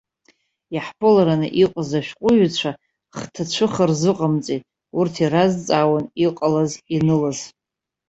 Иаҳԥыларан иҟаз ашәҟәыҩҩцәа хҭацәыха рзыҟамҵеит, урҭ иразҵаауан иҟалаз-инылаз.